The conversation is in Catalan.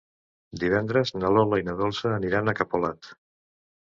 Divendres na Lola i na Dolça aniran a Capolat.